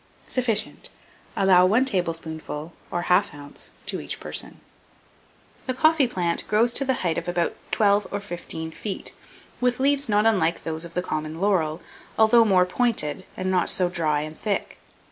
Sufficient. Allow 1 tablespoonful, or 1/2 oz., to each person. [Illustration: COFFEE.] THE COFFEE PLANT grows to the height of about twelve or fifteen feet, with leaves not unlike those of the common laurel, although more pointed, and not so dry and thick.